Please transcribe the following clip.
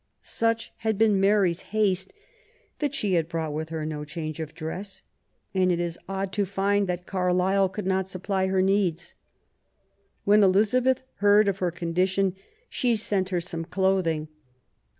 Such had been Mary's haste that she had brought with her no change of dress ; and it is odd to find that Carlisle could not supply her needs. When Elizabeth heard of her condition she sent her some clothing.